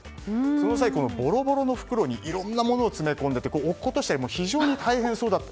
その際、ぼろぼろの袋にいろんなものを突っ込んで落っことしちゃったりして非常に大変そうだと。